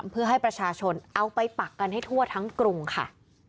เพื่อให้ประชาชนเอาไปปักกันให้ทั่วทั้งกรุงค่ะ